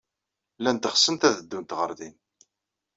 Llant ɣsent ad ddunt ɣer din.